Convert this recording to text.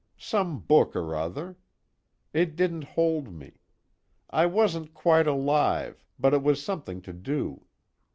Some book or other. It didn't hold me, I wasn't quite alive, but it was something to do.